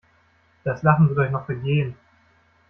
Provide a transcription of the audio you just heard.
Das Lachen wird euch noch vergehen.